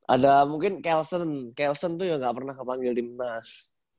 ada mungkin kelsen kelsen tuh ya nggak pernah kepanggil timnas